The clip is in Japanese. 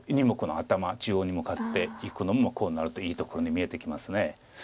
２目の頭中央に向かっていくのもこうなるといいところに見えてきます。